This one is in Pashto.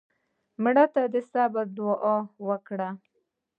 مړه ته د صبر دوعا وکړې